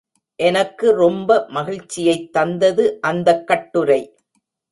எனக்கு ரொம்ப மகிழ்ச்சியைத் தந்தது அந்தக் கட்டுரை.